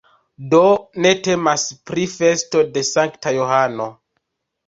Do ne temas pri festo de Sankta Johano.